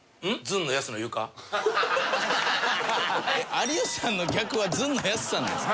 有吉さんの逆はずんのやすさんなんですか？